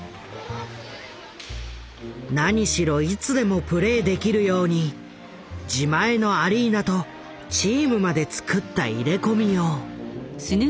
なにしろいつでもプレーできるように自前のアリーナとチームまでつくった入れ込みよう。